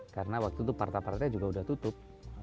karena waktu itu parta partanya juga udah tutup